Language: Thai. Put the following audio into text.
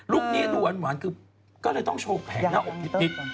ลูกนี้หลวนหวานก็เลยต้องโชคแผงหน้าอกนิด